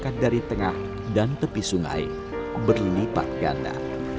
bahkan dari tengah dan tepi sungai berlipat ganda